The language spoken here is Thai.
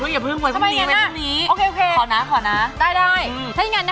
อย่าเพิ่งไปทุกนี้